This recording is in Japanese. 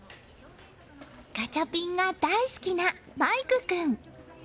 ガチャピンが大好きな麻夷琥君。